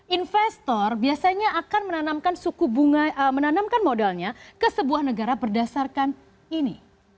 investor biasanya akan menanamkan suku bunga menanamkan modalnya ke sebuah negara berdasarkan ini